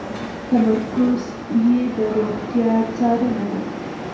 تمرکز یې د روغتیا څارنه ده.